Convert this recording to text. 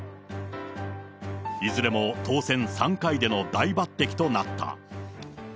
いずれも当選３回での大抜てきとなった。